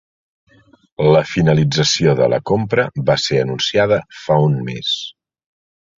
La finalització de la compra va ser anunciada fa un mes